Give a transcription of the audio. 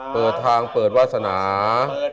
เปิดทางเปิดวาสนา